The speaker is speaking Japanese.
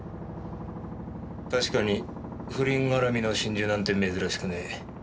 確かに不倫絡みの心中なんて珍しくねえ。